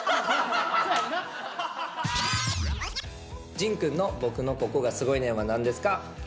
仁くんの「僕のココがすごいねん！」は何ですか？